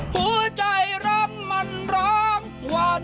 หัวใจรำมันร้องหวาน